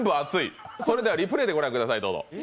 それではリプレーで御覧ください、どうぞ。